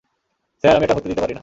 Sir, আমি এটা হতে দিতে পারি না।